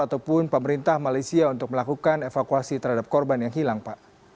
ataupun pemerintah malaysia untuk melakukan evakuasi terhadap korban yang hilang pak